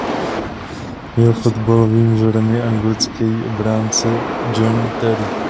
Jeho fotbalovým vzorem je anglický obránce John Terry.